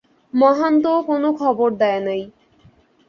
মহান্তও কোন খবর দেয় নাই।